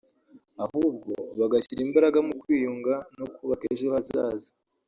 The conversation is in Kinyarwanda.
ahubwo bagashyira imbaraga mu kwiyunga no kubaka ejo hazaza